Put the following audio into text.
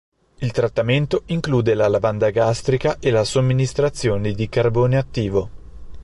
Il trattamento include la lavanda gastrica e la somministrazione di carbone attivo.